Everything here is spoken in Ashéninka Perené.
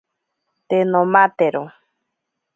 Te nomatero.